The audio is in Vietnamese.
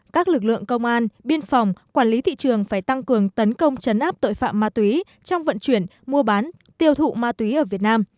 các lực lượng công an biên phòng quản lý thị trường phải tăng cường tấn công chấn áp tội phạm ma túy trong vận chuyển mua bán tiêu thụ ma túy ở việt nam